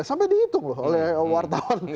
sampai dihitung oleh wartawan